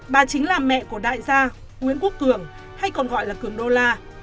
bà chính là mẹ của đại gia nguyễn quốc cường hay còn gọi là cường đô la